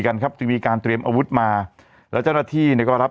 กันครับจึงมีการเตรียมอาวุธมาแล้วเจ้าหน้าที่เนี่ยก็รับ